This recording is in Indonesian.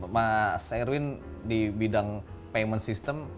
mas erwin di bidang payment system